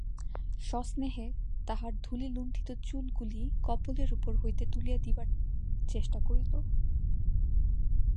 সস্নেহে তাহার ধূলিলুণ্ঠিত চুলগুলি কপোলের উপর হইতে তুলিয়া দিবার চেষ্টা করিল।